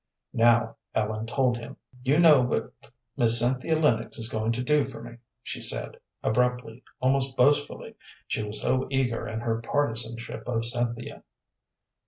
Now Ellen told him. "You know what Miss Cynthia Lennox is going to do for me," she said, abruptly, almost boastfully, she was so eager in her partisanship of Cynthia.